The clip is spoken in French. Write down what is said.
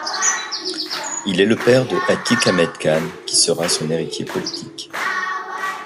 Il est le père de Attique Ahmed Khan, qui sera son hériter politique.